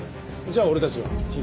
じゃあ俺たちは東。